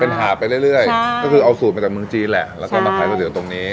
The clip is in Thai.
เป็นหาดไปเรื่อยก็คือเอาสูตรมาจากเมืองจีนแหละแล้วก็มาขายก๋วตรงนี้